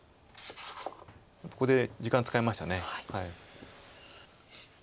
ここで時間使いました。